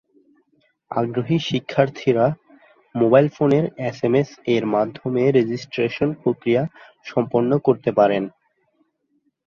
আগ্রহী শিক্ষার্থীরা মোবাইল ফোনের এসএমএস-এর মাধ্যমে রেজিস্ট্রেশন প্রক্রিয়া সম্পন্ন করতে পারেন।